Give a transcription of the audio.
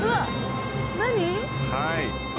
はい。